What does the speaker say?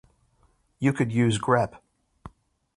You could use grep